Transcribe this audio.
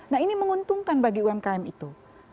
nah ini menguntungkan bagi umkm itu